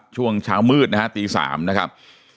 ช่วงเช้ามืดนะฮะตี๓นะครับ